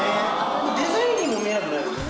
デザインにも見えなくないですか。